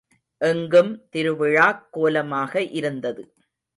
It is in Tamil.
எங்கும் திருவிழாக் கோலமாக இருந்தது.